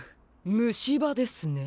むしばですね。